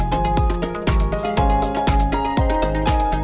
hẹn gặp lại